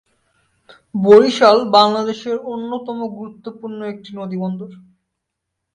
বরিশাল বাংলাদেশের অন্যতম গুরুত্বপূর্ণ একটি নদীবন্দর।